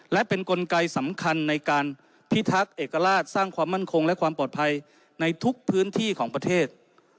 และเป็นกลไกสำคัญในการพิทักษ์เอกราชสร้างความมั่นคงและความปลอดภัยในทุกพื้นที่ของประเทศ